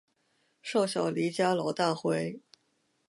少小离家老大回